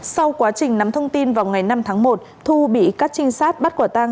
sau quá trình nắm thông tin vào ngày năm tháng một thu bị các trinh sát bắt quả tang